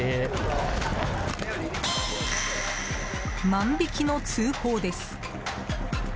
万引きの通報です。